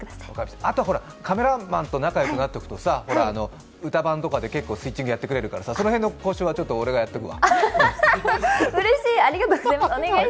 あと、カメラマンと仲良くなっておくとさ、「うたばん」とかで結構スイッチングやってくれるから、その辺の交渉はちょっと、俺がやっとくわ。